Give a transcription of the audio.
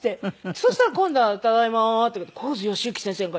そしたら今度は「ただいま」とかって神津善行先生が。